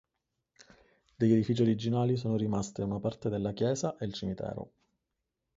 Degli edifici originali sono rimasti una parte della chiesa e il cimitero.